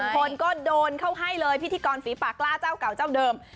คนก็โดนเข้าให้เลยพิธีกรฝีปากกล้าเจ้าเก่าเจ้าเดิม